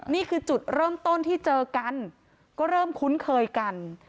นี่คือจุดเริ่มต้นที่เจอกันก็เริ่มคุ้นเคยกัน